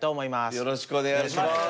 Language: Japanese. よろしくお願いします。